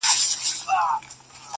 له بي بي سره ملگري سل مينځياني!.